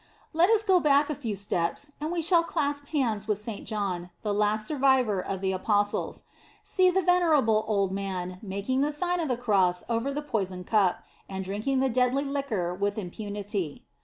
Let us go back a few steps and we shall clasp hands with St. John, the last survivor of the apostles. See the venerable old man, making the Sign of the Cross over the pois oned cup, and drinking the deadly liquor with impunity.